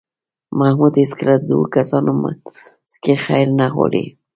محمود هېڅکله د دو کسانو منځ کې خیر نه غواړي.